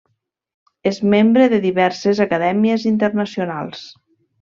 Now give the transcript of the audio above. És membre de diverses acadèmies internacionals.